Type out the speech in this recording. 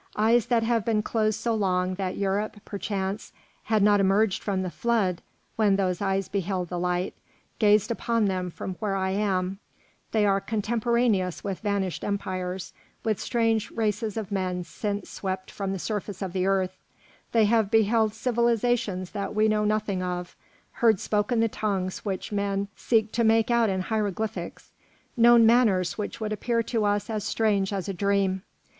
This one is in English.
Eyes that have been closed so long that Europe, perchance, had not emerged from the flood when those eyes beheld the light, gazed upon them from where I am; they are contemporaneous with vanished empires, with strange races of men since swept from the surface of the earth; they have beheld civilisations that we know nothing of; heard spoken the tongues which men seek to make out in hieroglyphics, known manners which would appear to us as strange as a dream.